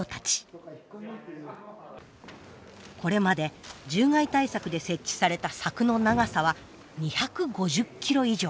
これまで獣害対策で設置された柵の長さは２５０キロ以上。